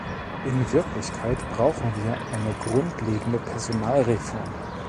In Wirklichkeit brauchen wir eine grundlegende Personalreform.